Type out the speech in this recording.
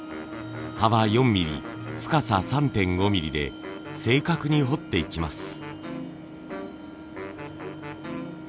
幅４ミリ深さ３．５ミリで正確に彫っていきます。